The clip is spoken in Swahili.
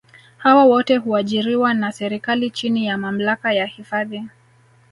hawa wote huajiriwa na serikali chini ya mamlaka ya hifadhi